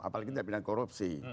apalagi kita tidak pindah korupsi